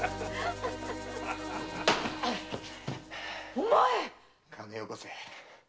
お前っ⁉金よこせ。